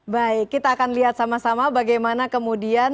baik kita akan lihat sama sama bagaimana kemudian